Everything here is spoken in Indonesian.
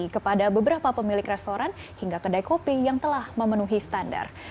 kepada beberapa pemilik restoran hingga kedai kopi yang telah memenuhi standar